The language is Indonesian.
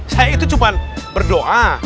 saya itu cuma berdoa